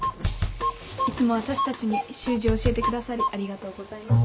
いつも私たちに習字を教えてくださりありがとうございます。